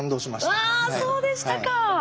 わあそうでしたか。